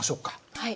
はい。